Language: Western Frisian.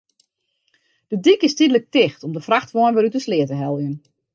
De dyk is tydlik ticht om de frachtwein wer út de sleat te heljen.